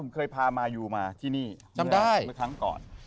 เคยพามายูมาที่นี่เมื่อครั้งก่อน